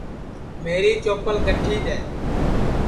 میری چوپل گٹھی دؔے